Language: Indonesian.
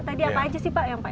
tadi apa aja sih pak yang pak